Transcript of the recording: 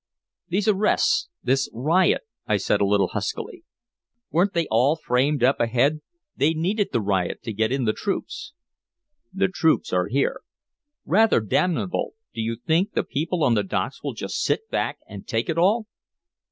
"These arrests, this riot," I said a little huskily. "Weren't they all framed up ahead? They needed the riot to get in the troops." "The troops are here." "Rather damnable. Do you think the people on the docks will just sit back and take it all?"